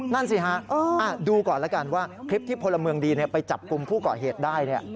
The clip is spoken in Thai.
นั่นสิฮะดูก่อนแล้วกันว่าคลิปที่พลเมืองดีไปจับกลุ่มผู้ก่อเหตุได้